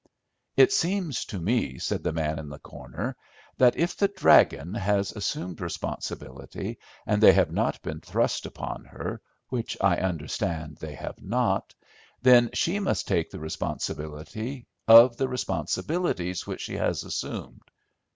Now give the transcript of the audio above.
"It seems to me," said the man in the corner, "that if the 'dragon' has assumed responsibilities and they have not been thrust upon her, which I understand they have not, then she must take the responsibility of the responsibilities which she has assumed.